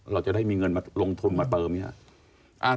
เราจะได้มีเงินมาลงทุนมาเติมเนี่ย